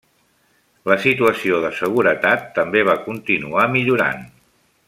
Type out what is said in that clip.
La situació de seguretat també va continuar millorant.